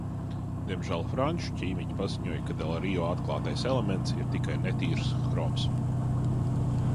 "Diemžēl franču ķīmiķi paziņoja, ka del Rio atklātais elements ir tikai "netīrs" hroms."